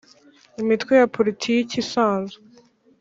Imitwe ya Politiki isanzwe